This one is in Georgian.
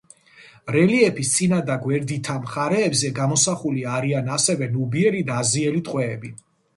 რელიეფების წინა და გვერდითა მხარეებზე გამოსახული არიან ასევე ნუბიელი და აზიელი ტყვეები.